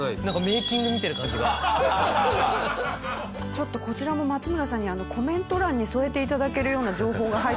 ちょっとこちらも松村さんにコメント欄に添えていただけるような情報が入ってますよ。